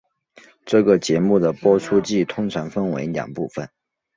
这个节目的播出季通常分为两部份。